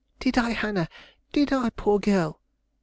"Did I, Hannah, did I, poor girl?"